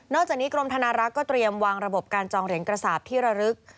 อกจากนี้กรมธนารักษ์ก็เตรียมวางระบบการจองเหรียญกระสาปที่ระลึก